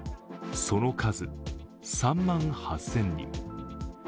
その数、３万８０００人。